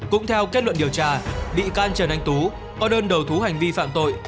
cũng theo kết luận điều tra bị can trần anh tú có đơn đầu thú hành vi phạm tội